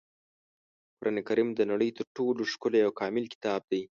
قرانکریم د نړۍ تر ټولو ښکلی او کامل کتاب دی.